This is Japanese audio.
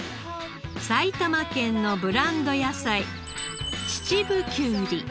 埼玉県のブランド野菜秩父きゅうり。